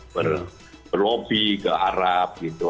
berlobi ke arab gitu